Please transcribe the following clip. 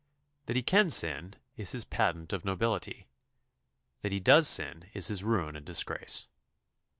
That he can sin is his patent of nobility, that he does sin is his ruin and disgrace.